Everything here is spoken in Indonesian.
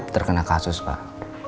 terkena kasus pak